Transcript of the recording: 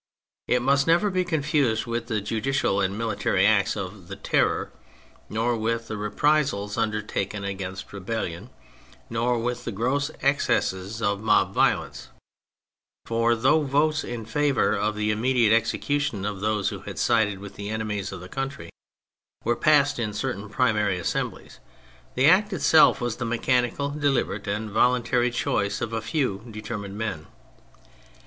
It must never be confused with the judicial and military acts of the Terror, nor with the repri sals undertaken against rebellion, nor with the gross excesses of mob violence; for though votes in favour of the immediate execution of those who had sided with the enemies of the country were passed in certain primary assemblies, the act itself was the mechanical, deliberate and voluntary choice of a few determined men.